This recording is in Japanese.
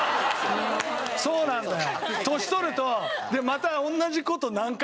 そうなんだよ。